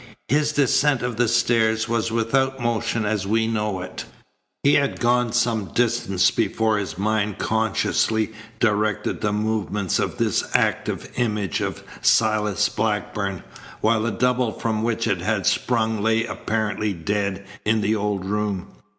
His descent of the stairs was without motion as we know it. He had gone some distance before his mind consciously directed the movement of this active image of Silas Blackburn, while the double from which it had sprung lay apparently dead in the old room.